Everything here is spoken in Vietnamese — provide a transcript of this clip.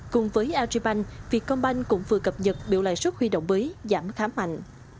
cùng với aribank vietcombank cũng vừa cập nhật biểu lãi suất huy động mới giảm khá mạnh